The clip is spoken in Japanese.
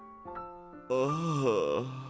ああ。